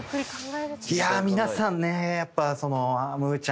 いや皆さんねやっぱむぅちゃん